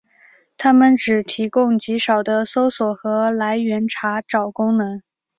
它们只提供极少的搜索和来源查找功能。